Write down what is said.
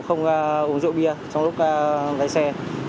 không uống rượu bia trong lúc lái xe